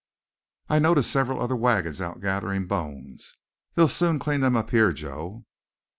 "I noticed several other wagons out gathering bones. They'll soon clean them up here, Joe."